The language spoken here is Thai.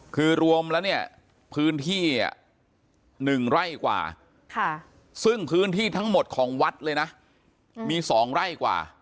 คือรวมแล้วเนี่ยพื้นที่๑ไร่กว่าซึ่งพื้นที่ทั้งหมดของวัดเลยนะมี๒ไร่กว่า